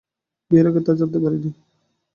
বিয়ের আগে তা জানতে পারি নি।